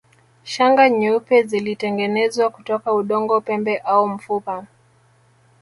Shanga nyeupe zilitengenezwa kutoka udongo pembe au mfupa